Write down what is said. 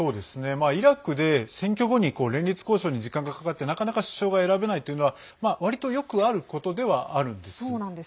イラクで選挙後に連立交渉に時間がかかってなかなか首相が選べないというのは割とよくあることではあるんです。